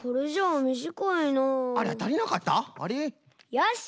よし！